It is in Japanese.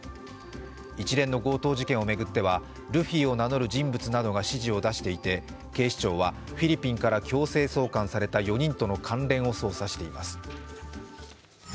一連の強盗事件を巡ってはルフィを名乗る人物などが指示を出していて警視庁はフィリピンから強制送還された４人との関連を捜査しています。